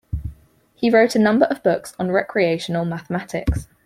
He wrote a number of books on recreational mathematics.